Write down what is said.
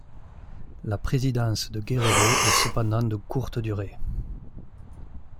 La présidence de Guerrero est cependant de courte durée.